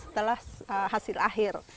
setelah hasil akhir